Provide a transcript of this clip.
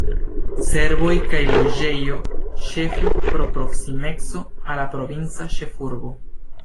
Servoj kaj loĝejoj, ĉefe pro proksimeco al la provinca ĉefurbo.